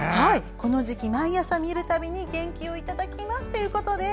この時期、毎朝見るたびに元気をいただきますということです。